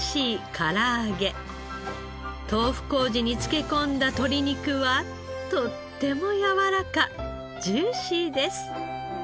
豆腐麹に漬け込んだ鶏肉はとってもやわらかジューシーです。